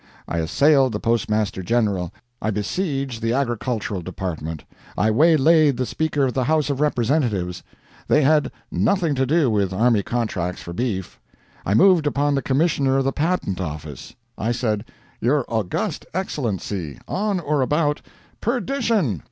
I assailed the Postmaster General; I besieged the Agricultural Department; I waylaid the Speaker of the House of Representatives. They had nothing to do with army contracts for beef. I moved upon the Commissioner of the Patent Office. I said, "Your August Excellency, on or about " "Perdition!